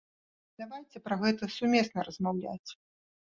Давайце пра гэта сумесна размаўляць.